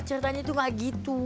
ceritanya tuh nggak gitu